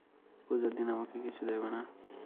পূজার দিন আমাকে কিছু দেবে না?